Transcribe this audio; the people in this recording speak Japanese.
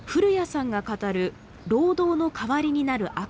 古屋さんが語る労働の代わりになるアクション。